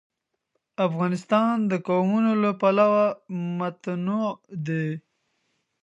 افغانستان د قومونه له پلوه متنوع دی.